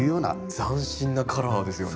斬新なカラーですよね。